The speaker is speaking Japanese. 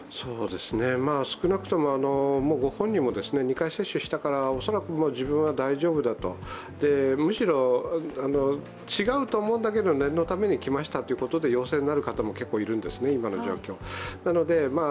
少なくともご本人も２回接種したから、恐らく自分は大丈夫だと、むしろ違うと思うんだけど念のために来ましたということで陽性になる方も結構いらっしゃるんですね、今の状況では。